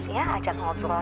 ya ajak ngobrol